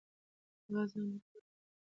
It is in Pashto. هغه ځان نیکمرغه باله.